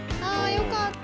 よかった！